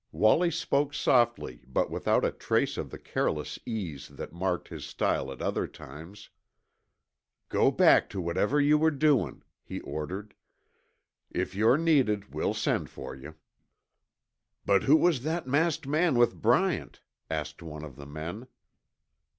Wallie spoke softly but without a trace of the careless ease that marked his style at other times. "Go back to whatever you were doin'," he ordered. "If you're needed, we'll send for you." "But who was that masked man with Bryant?" asked one of the men.